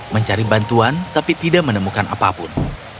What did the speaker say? mencari bantuan tapi tidak menemukan apapun